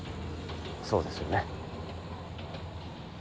そうですよね。